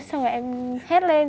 xong rồi em hét lên